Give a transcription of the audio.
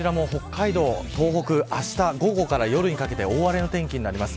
北海道、東北あした午後から夜にかけて大荒れの天気になります。